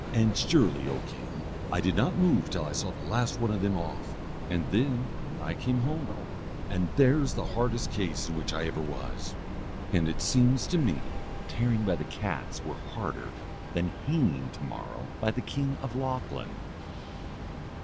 And surely, O king, I did not move till I saw the last one of them off. And then I came home. And there's the hardest case in which I ever was; and it seems to me that tearing by the cats were harder than hanging to morrow by the king of Lochlann."